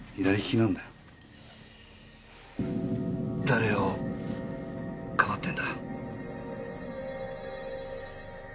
誰を庇ってんだ？